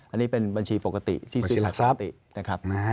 อันนี้เป็นบัญชีปกติบัญชีหลักทรัพย์นะครับ